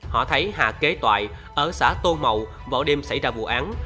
họ thấy hà kế toại ở xã tô mậu vào đêm xảy ra vụ án